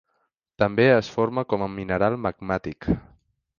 També es forma com a mineral magmàtic.